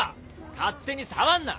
勝手に触んな。